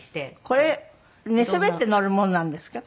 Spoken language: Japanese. これ寝そべって乗るものなんですか？